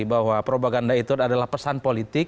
bahwa propaganda itu adalah pesan politik